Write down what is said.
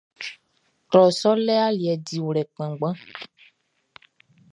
Klɔ sɔʼn le aliɛ diwlɛ kpanngban.